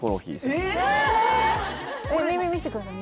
これ耳見せてください